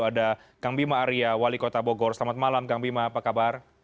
ada kang bima arya wali kota bogor selamat malam kang bima apa kabar